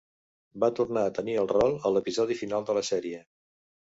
Va tornar a tenir el rol a l'episodi final de la sèrie.